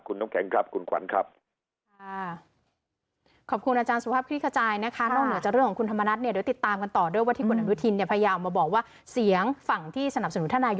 คุณน้ำแข็งครับคุณขวัญครับ